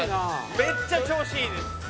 めっちゃ調子いいです。